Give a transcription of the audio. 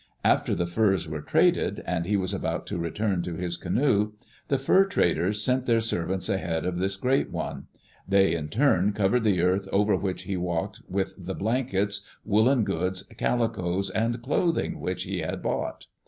After the furs were traded and he was about to return to his canoe, the fur traders sent their servants ahead of this great one. They, in turn, covered the earth over which he walked with the blankets, woolen goods, calicoes, and clothing which he had bought.